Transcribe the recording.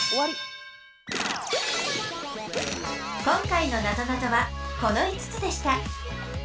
今回のなぞなぞはこの５つでした